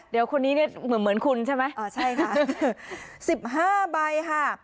เดี๋ยวคนนี้เนี่ยเหมือนคุณใช่ไหมอ๋อใช่ค่ะ๑๕ใบค่ะ